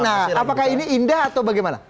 nah apakah ini indah atau bagaimana